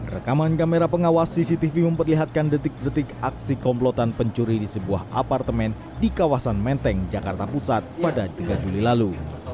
rekaman kamera pengawas cctv memperlihatkan detik detik aksi komplotan pencuri di sebuah apartemen di kawasan menteng jakarta pusat pada tiga juli lalu